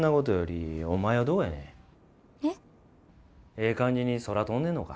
ええ感じに空飛んでんのか？